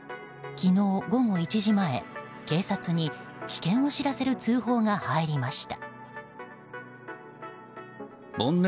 昨日午後１時前、警察に危険を知らせる通報が入りました。